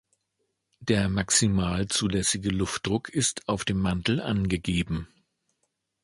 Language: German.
Der maximal zulässige Luftdruck ist auf dem Mantel angegeben.